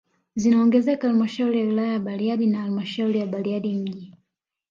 Zinaongezeka halmashauri ya wilaya ya Bariadi na halmashauri ya Bariadi mji